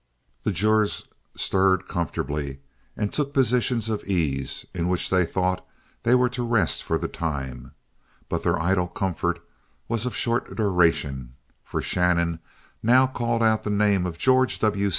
The jurors stirred comfortably and took positions of ease, in which they thought they were to rest for the time; but their idle comfort was of short duration for Shannon now called out the name of George W.